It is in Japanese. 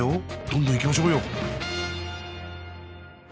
どんどんいきましょうよ！